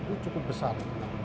itu cukup besar